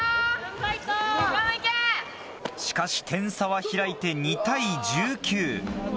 しかし点差は開いて２対１９。